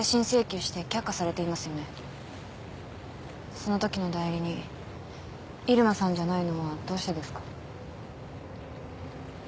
そのときの代理人入間さんじゃないのはどうしてですか。